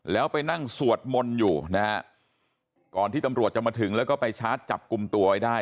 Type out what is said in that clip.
แล้วไปนั่งสวดมนต์อยู่นะฮะก่อนที่ตำรวจจะมาถึงแล้วก็ไปชาร์จจับกลุ่มตัวไว้ได้